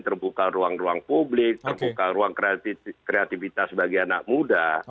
terbuka ruang ruang publik terbuka ruang kreativitas bagi anak muda